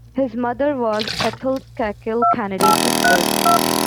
His mother was Ethel Skakel Kennedy's sister.